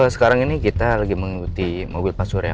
sekarang ini kita lagi mengikuti mobil pak surya